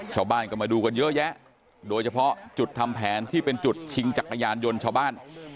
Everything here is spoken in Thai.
ชาวบ้านก็มาดูกันเยอะแยะโดยเฉพาะจุดทำแผนที่เป็นจุดชิงจักรยานยนต์ชาวบ้าน